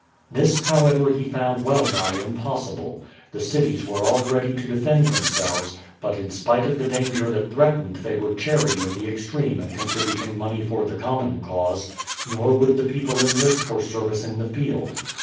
This, however, he found well nigh impossible. The cities were all ready to defend themselves, but in spite of the danger that threatened they were chary in the extreme in contributing money for the common cause, nor would the people enlist for service in the field.